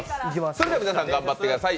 それでは皆さん頑張ってくだい。